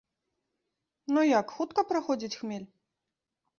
Ну як, хутка праходзіць хмель?